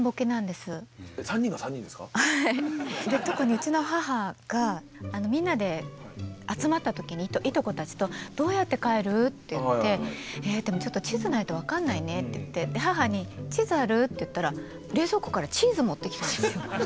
特にうちの母がみんなで集まったときにいとこたちと「どうやって帰る？」って言って「でもちょっと地図ないと分かんないね」って言って母に「地図ある？」って言ったら冷蔵庫からチーズ持ってきたんですよ。